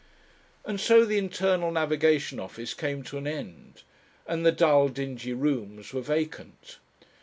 And so the Internal Navigation Office came to an end, and the dull, dingy rooms were vacant.